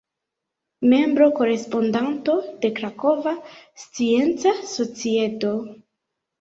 Membro-korespondanto de Krakova Scienca Societo.